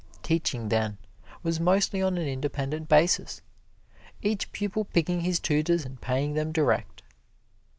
Teaching then was mostly on an independent basis, each pupil picking his tutors and paying them direct.